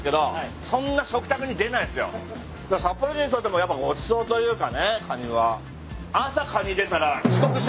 札幌人にとってもやっぱごちそうというかねカニは。